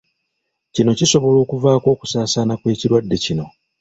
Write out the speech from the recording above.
Kino kisobola okuvaako okusaasaana kw’ekirwadde kino.